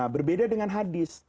berbeda dengan hadis